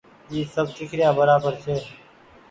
اي سب ڪيکريآن برابر ڇي۔